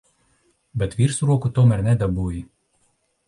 Bet virsroku tomēr nedabūji.